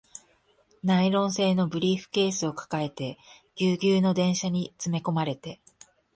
ナイロン製のブリーフケースを抱えて、ギュウギュウの電車に詰め込まれて